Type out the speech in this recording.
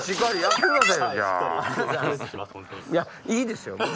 いいですよ